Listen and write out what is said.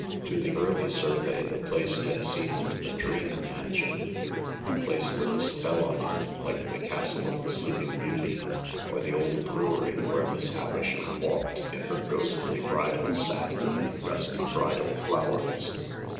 To the early survey the place had seemed a dream mansion — a place with a spell on it, like the Castle of the Sleeping Beauty, or the old brewery where Miss Havisham walked in her ghostly bridal satin and dusty bridal flowers.